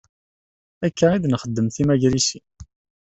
Akka i d-nxeddem timagrisin.